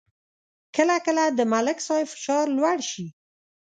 کله کله د ملک صاحب فشار لوړ شي